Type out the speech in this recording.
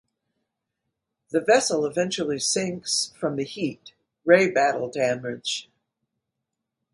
The vessel eventually sinks from heat ray battle damage.